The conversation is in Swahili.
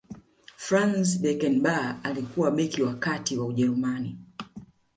franz beckenbauer alikuwa beki wa kati wa ujerumani